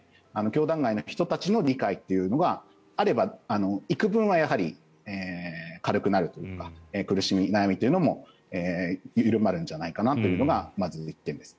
教団外の人たちの理解というのがあれば幾分は軽くなるというか苦しみ、悩みというのも緩まるんじゃないかなというのがまず１点です。